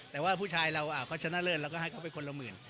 แต่ว่าผู้ชายเราแล้วพูดชนะเรื่องก็ให้ไปคนละหมื่น